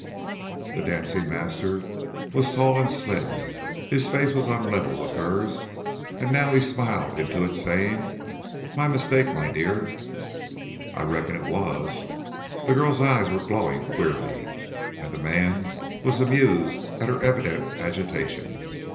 The dancing master was tall and slim, his face was on a level with hers, and now he smiled into it, saying, "My mistake, my dear." "I reckon it was." The girl's eyes were glowing queerly, and the man was amused at her evident agitation.